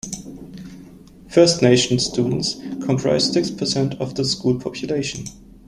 First Nations students comprise six percent of the school population.